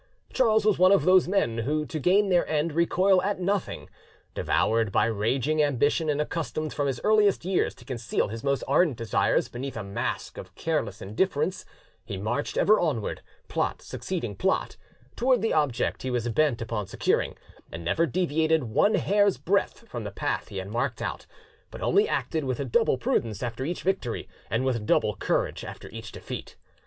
Charles was one of those men who to gain their end recoil at nothing; devoured by raging ambition and accustomed from his earliest years to conceal his most ardent desires beneath a mask of careless indifference, he marched ever onward, plot succeeding plot, towards the object he was bent upon securing, and never deviated one hair's breadth from the path he had marked out, but only acted with double prudence after each victory, and with double courage after each defeat.